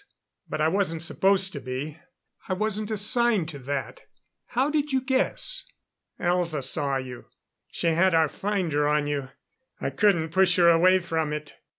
But I wasn't supposed to be. I wasn't assigned to that. How did you guess?" "Elza saw you. She had our finder on you I couldn't push her away from it."